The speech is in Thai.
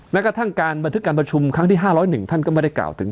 แม้กระทั่งการบันทึกการประชุมครั้งที่๕๐๑ท่านก็ไม่ได้กล่าวถึง